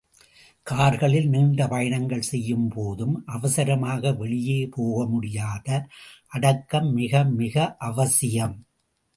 கார்களில் நீண்ட பயணங்கள் செய்யும்போதும் அவசரமாக வெளியே போகமுடியாது அடக்கம் மிக மிக அவசியம்.